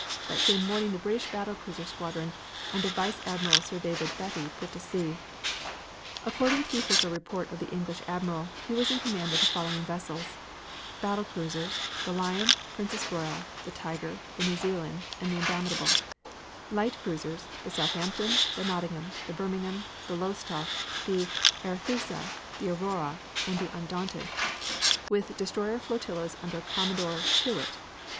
That same morning the British battle cruiser squadron under Vice Admiral Sir David Beatty put to sea. According to the official report of the English Admiral he was in command of the following vessels; battle cruisers, the Lion, Princess Royal, the Tiger, the New Zealand, and the Indomitable; light cruisers, the Southampton, the Nottingham, the Birmingham, the Lowestoft, the Arethusa, the Aurora and the Undaunted, with destroyer flotillas under Commodore Tyrwhitt.